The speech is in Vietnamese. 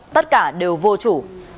tất cả đều vô chủ